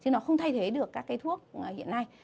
chứ nó không thay thế được các cái thuốc hiện nay